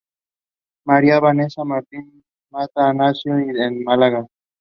María Vanesa Martín Mata nació en Málaga.